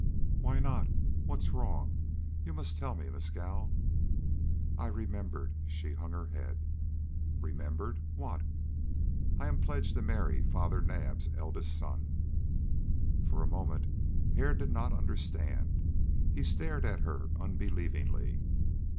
"Why not? What's wrong? You must tell me, Mescal." "I remembered." She hung her head. "Remembered what?" "I am pledged to marry Father Naab's eldest son." For a moment Hare did not understand. He stared at her unbelievingly.